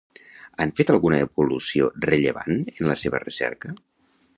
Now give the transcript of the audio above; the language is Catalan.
Han fet alguna evolució rellevant en la seva recerca?